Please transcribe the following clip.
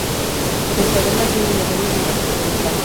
Pese a haber nacido en el Reino Unido, se crió en España.